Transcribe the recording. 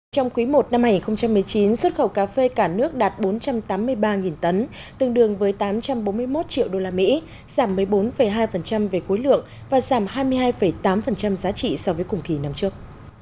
trong quý i năm hai nghìn một mươi chín xuất khẩu cà phê cả nước đạt bốn trăm tám mươi ba tấn tương đương với tám trăm bốn mươi một triệu usd giảm một mươi bốn hai về khối lượng và giảm hai mươi hai tám giá trị so với cùng kỳ năm trước